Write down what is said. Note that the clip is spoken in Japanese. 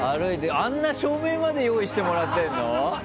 あんな照明まで用意してもらってるの。